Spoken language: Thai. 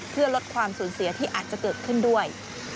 เพื่อลดความสูญเสียที่อาจจะเกิดขึ้นด้วย